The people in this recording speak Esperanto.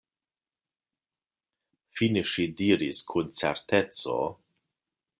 Fine ŝi diris kun certeco: